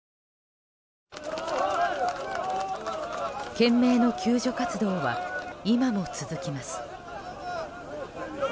懸命の救助活動は今も続きます。